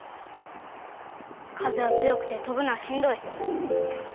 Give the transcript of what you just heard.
風は強くて飛ぶのはしんどいし。